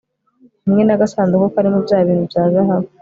hamwe n'agasanduku karimo bya bintu bya zahabu